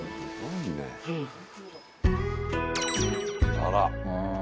あら。